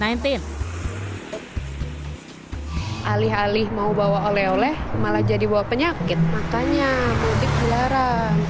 alih alih mau bawa oleh oleh malah jadi bawa penyakit makanya mudik dilarang